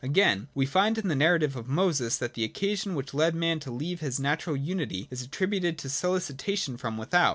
Again, we find in the narrative of Moses that the occasion which led man to leave his natural unity is attributed to solicitation from without.